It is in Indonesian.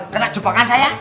kena jepakan saya